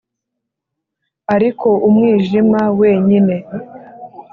ariko umwijima wenyine